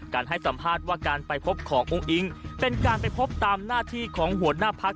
ให้สัมภาษณ์ว่าการไปพบของอุ้งอิงเป็นการไปพบตามหน้าที่ของหัวหน้าพัก